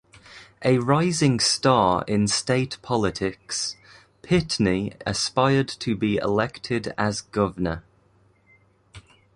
A rising star in state politics, Pitney aspired to be elected as governor.